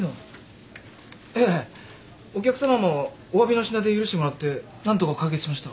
ええお客さまもおわびの品で許してもらって何とか解決しました。